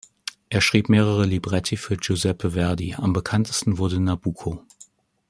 Er schrieb mehrere Libretti für Giuseppe Verdi; am bekanntesten wurde "Nabucco".